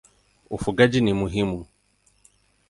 Ufugaji ni muhimu.